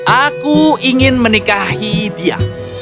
aku ingin menikahi dia